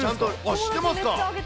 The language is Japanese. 知ってますか？